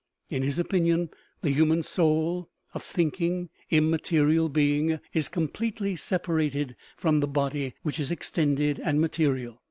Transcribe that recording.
In his opinion the hu man soul, a thinking, immaterial being, is completely separated from the body, which is extended and ma terial.